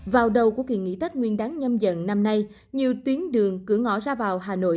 vào đầu của kỳ nghỉ tết nguyên đáng nhâm dần năm nay nhiều tuyến đường cửa ngõ ra vào hà nội